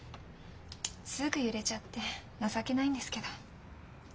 すぐ揺れちゃって情けないんですけど。